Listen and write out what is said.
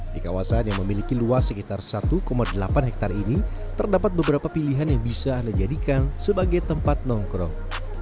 di kawasan yang memiliki luas sekitar satu delapan hektare ini terdapat beberapa pilihan yang bisa anda jadikan sebagai tempat nongkrong